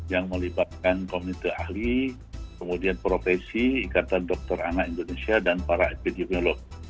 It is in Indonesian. yang melibatkan komite ahli kemudian profesi ikatan dokter anak indonesia dan para epidemiolog